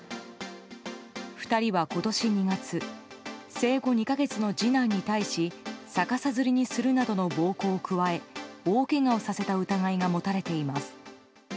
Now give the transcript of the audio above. ２人は今年２月生後２か月の次男に対し逆さづりにするなどの暴行を加え大けがをさせた疑いが持たれています。